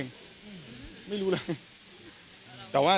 ของขวัญรับปริญญา